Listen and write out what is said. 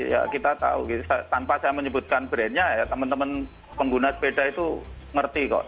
ya kita tahu tanpa saya menyebutkan brandnya ya teman teman pengguna sepeda itu ngerti kok